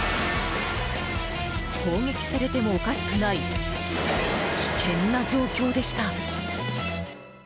攻撃されてもおかしくない危険な状況でした。